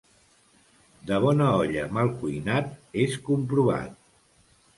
De bona olla mal cuinat és comprovat.